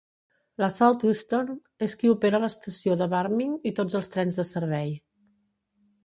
La Southeastern és qui opera l'estació de Barming i tots els trens de servei.